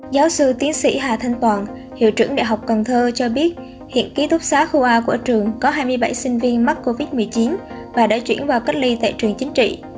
giáo sư tiến sĩ hà thanh toàn hiệu trưởng đại học cần thơ cho biết hiện ký túc xá khu a của trường có hai mươi bảy sinh viên mắc covid một mươi chín và đã chuyển vào cách ly tại trường chính trị